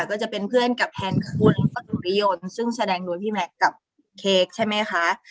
ก็จะเป็นเพื่อนกับแทนคุณพระสุริยนต์ซึ่งแสดงโดยพี่แม็กซ์กับเค้กใช่ไหมคะ